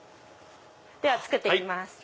では作って行きます。